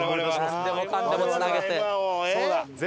なんでもかんでもつなげて。